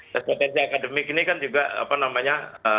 nah potensi akademik ini kan juga apa namanya